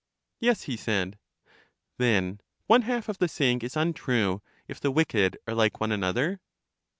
Yes, he said. Then one half of the saying is untrue, if the wicked are like one another?